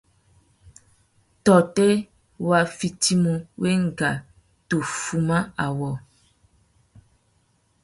Tôtê wa fitimú wenga tu fuma awô.